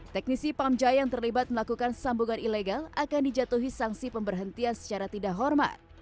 teknisi pamjaya yang terlibat melakukan sambungan ilegal akan dijatuhi sanksi pemberhentian secara tidak hormat